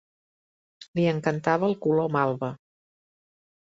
Li encantava el color malva.